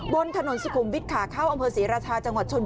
บนถนนสุขุมวิทค่ะเข้าอำเภอศรีราชา